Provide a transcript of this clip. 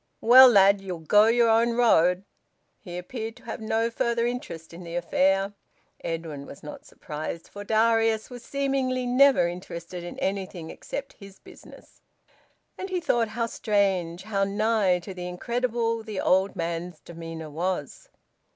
... Well, lad, ye'll go your own road." He appeared to have no further interest in the affair. Edwin was not surprised, for Darius was seemingly never interested in anything except his business; but he thought how strange, how nigh to the incredible, the old man's demeanour was.